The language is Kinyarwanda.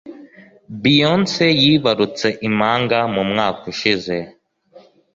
beyonce yibarutse impanga mumwaka ushize